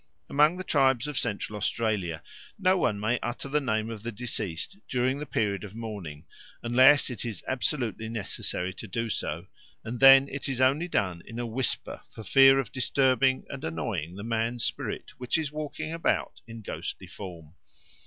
Amongst the tribes of Central Australia no one may utter the name of the deceased during the period of mourning, unless it is absolutely necessary to do so, and then it is only done in a whisper for fear of disturbing and annoying the man's spirit which is walking about in ghostly form.